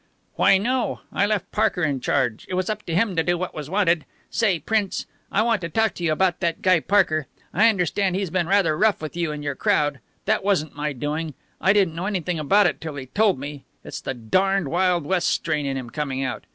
"Why, no. I left Parker in charge. It was up to him to do what was wanted. Say, Prince, I want to talk to you about that guy, Parker. I understand he's been rather rough with you and your crowd. That wasn't my doing. I didn't know anything about it till he told me. It's the darned Wild West strain in him coming out.